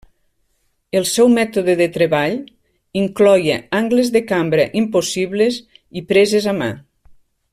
El seu mètode de treball incloïa angles de cambra impossibles i preses a mà.